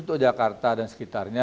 untuk jakarta dan sekitarnya